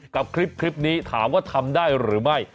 กับคลิปนี้ถามว่าทำได้หรือไม่